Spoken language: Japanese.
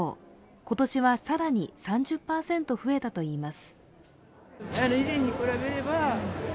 今年は更に３０％増えたといいます。